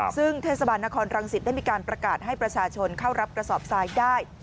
ซึ่งเทศบาลนครรังสิตได้มีการประกาศให้ประชาชนเข้ารับกระสอบทรายได้